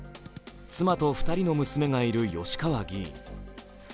妻と２人の娘がいる吉川議員。